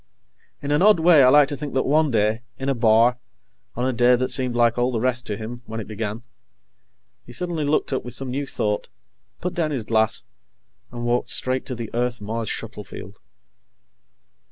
In an odd way, I like to think that one day, in a bar, on a day that seemed like all the rest to him when it began, he suddenly looked up with some new thought, put down his glass, and walked straight to the Earth Mars shuttle field.